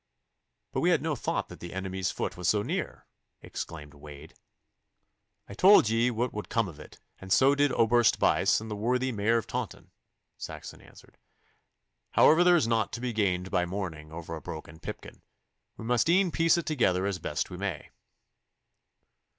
'But we had no thought that the enemy's foot was so near!' exclaimed Wade. 'I told ye what would come of it, and so did Oberst Buyse and the worthy Mayor of Taunton,' Saxon answered. 'However, there is nought to be gained by mourning over a broken pipkin. We must e'en piece it together as best we may.